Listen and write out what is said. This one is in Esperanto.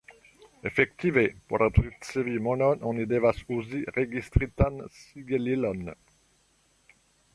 Efektive, por ricevi monon, oni devas uzi registritan sigelilon.